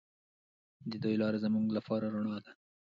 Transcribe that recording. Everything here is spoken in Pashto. د دوی لاره زموږ لپاره رڼا ده.